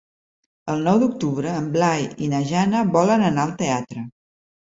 El nou d'octubre en Blai i na Jana volen anar al teatre.